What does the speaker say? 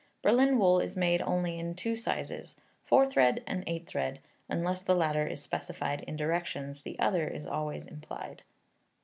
Berlin wool is made only in two sizes, 4 thread and 8 thread; unless the latter is specified in directions, the other is always implied.